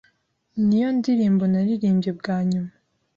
ni yo ndirimbo naririmbye bwa nyuma,